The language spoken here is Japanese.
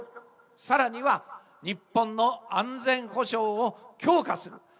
さらには、日本の安全保障を強化する。